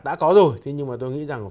đã có rồi nhưng mà tôi nghĩ rằng